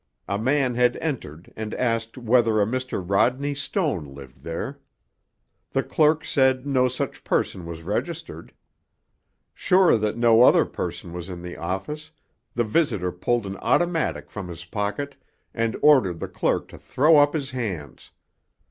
A man had entered and asked whether a Mr. Rodney Stone lived there. The clerk said no such person was registered. Sure that no other person was in the office, the visitor pulled an automatic from his pocket and ordered the clerk to throw up his hands.